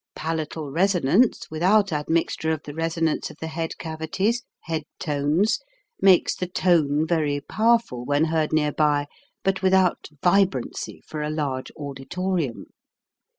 Palatal resonance without ad mixture of the resonance of the head cavities (head tones) makes the .tone very powerful when heard near by, but without vibrancy for a large auditorium.